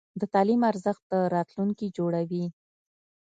د تعلیم ارزښت د راتلونکي جوړوي.